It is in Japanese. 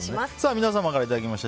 皆様からいただきました。